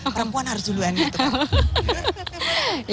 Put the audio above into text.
perempuan harus duluan gitu